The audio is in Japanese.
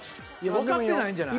わかってないんじゃない？